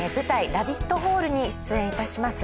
『ラビット・ホール』に出演いたします。